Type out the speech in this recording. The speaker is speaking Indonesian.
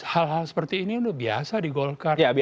hal hal seperti ini sudah biasa di golkar